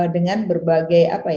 dengan berbagai pemahaman